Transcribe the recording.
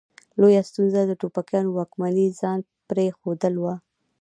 لویه ستونزه د ټوپکیانو واکمني ځان پرې ښودل وه.